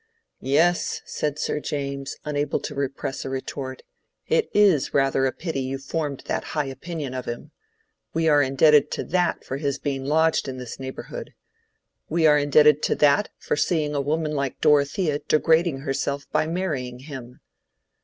"Yes," said Sir James, unable to repress a retort, "it is rather a pity you formed that high opinion of him. We are indebted to that for his being lodged in this neighborhood. We are indebted to that for seeing a woman like Dorothea degrading herself by marrying him."